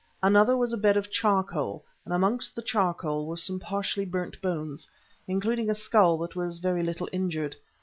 Another was a bed of charcoal, and amongst the charcoal were some partially burnt bones, including a skull that was very little injured.